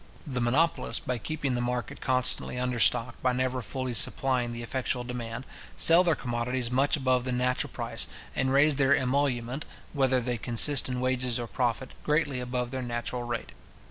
The monopolists, by keeping the market constantly understocked by never fully supplying the effectual demand, sell their commodities much above the natural price, and raise their emoluments, whether they consist in wages or profit, greatly above their natural rate.